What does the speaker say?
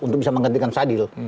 untuk bisa menggantikan sadil